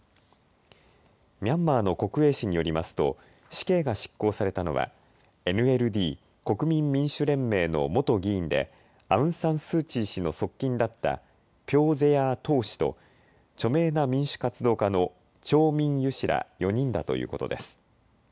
ミャンマーの国営紙によりますと死刑が執行されたのはＮＬＤ・国民民主連盟の元議員でアウン・サン・スー・チー氏の側近だったピョー・ゼヤー・トー氏と著名な民主活動家のチョー・ミン・ユ氏ら４人だということです。